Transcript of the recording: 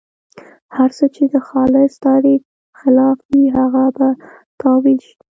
هر څه چې د خالص تعریف خلاف وي هغه به تاویل شي.